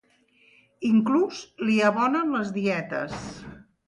Inclús li abonen les dietes.